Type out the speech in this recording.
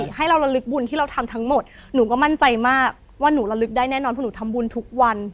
ให้เราระลึกบุญที่เราทำทั้งหมดหนูก็มั่นใจมากว่าหนูระลึกได้แน่นอนเพราะหนูทำบุญทุกวัน